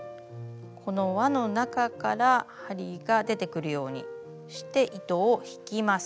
この輪の中から針が出てくるようにして糸を引きます。